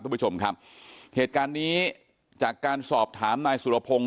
คุณผู้ชมครับเหตุการณ์นี้จากการสอบถามนายสุรพงศ์